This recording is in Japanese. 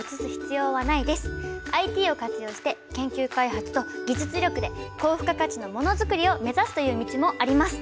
ＩＴを活用して研究開発と技術力で高付加価値のもの作りを目指すという道もあります。